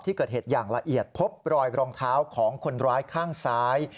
ที่เกิดเหตุอย่างละเอียดพบรอยรองเท้าของคนร้ายข้างซ้าย